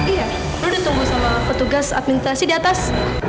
iya lo udah ditunggu sama petugas administrasi di atas